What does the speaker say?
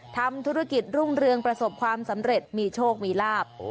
ทำธุรกิจรุ่งเรืองประสบความสำเร็จมีโชคมีลาบ